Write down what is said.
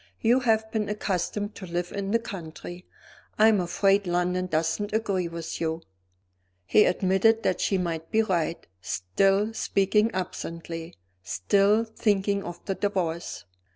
"You have been accustomed to live in the country; I am afraid London doesn't agree with you." He admitted that she might be right; still speaking absently, still thinking of the Divorce.